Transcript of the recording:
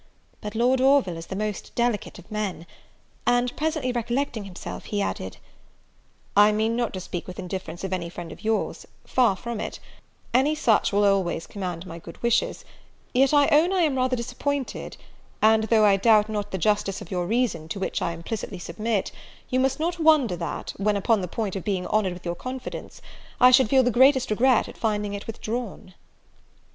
But Lord Orville is the most delicate of men! and, presently recollecting himself, he added, "I mean not to speak with indifference of any friend of yours, far from it; any such will always command my good wishes: yet I own I am rather disappointed; and though I doubt not the justice of your reason, to which I implicitly submit, you must not wonder, that, when upon the point of being honoured with your confidence, I should feel the greatest regret at finding it withdrawn."